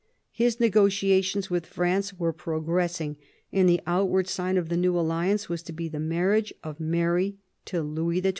His negotiations with France were progressing, and the outward sign of the new alliance was to be the marriage of Mary to Louis XII.